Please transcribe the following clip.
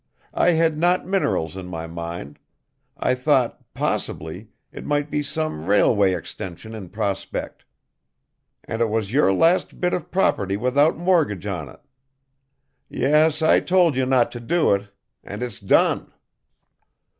I had not minerals in my mind. I thought, possibly, it might be some railway extension in prospect and it was your last bit of property without mortgage on it. Yes, I told you not to do it, and it's done."